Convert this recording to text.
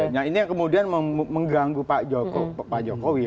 nah ini yang kemudian mengganggu pak jokowi